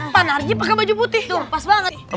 panarji pake baju putih pas banget